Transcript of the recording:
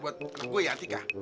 buat gue ya tika